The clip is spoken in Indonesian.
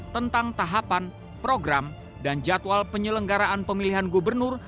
tentang tahapan program dan jadwal penyelenggaraan pemilihan gubernur